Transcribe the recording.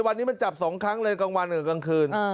วันนี้มันจับ๒ครั้งเลยกลางวันกับกลางคืน